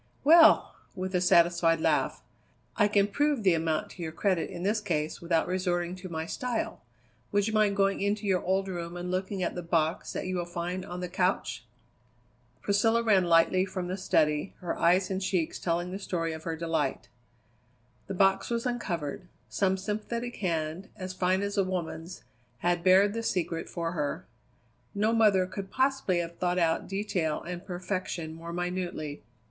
"Well!" with a satisfied laugh, "I can prove the amount to your credit in this case without resorting to my style. Would you mind going into your old room and looking at the box that you will find on the couch?" Priscilla ran lightly from the study, her eyes and cheeks telling the story of her delight. The box was uncovered. Some sympathetic hand, as fine as a woman's, had bared the secret for her. No mother could possibly have thought out detail and perfection more minutely.